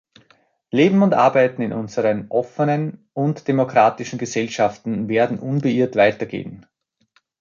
Leben und Arbeiten in unseren offenen und demokratischen Gesellschaften werden unbeirrt weitergehen.